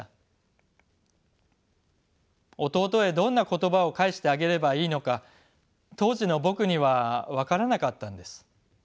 弟へどんな言葉を返してあげればいいのか当時の僕には分からなかったんです。